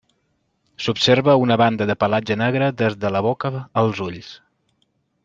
S'observa una banda de pelatge negre des de la boca als ulls.